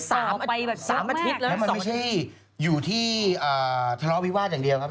สามอาทิตย์แล้วสองอาทิตย์แล้วมันไม่ใช่อยู่ที่ทะเลาะวิวาสอย่างเดียวครับ